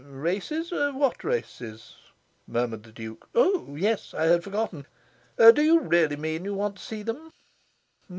"Races? What races?" murmured the Duke. "Oh yes. I had forgotten. Do you really mean that you want to see them?"